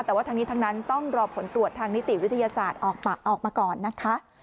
แต่ว่าทั้งนี้ทั้งนั้นต้องรอผลตรวจทางนิติวิทยาศาสตร์ออกมาก่อนนะคะ